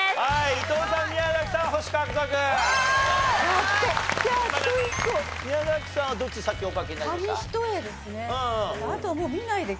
はい。